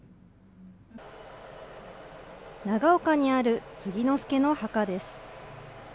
長岡にある継之助の墓です。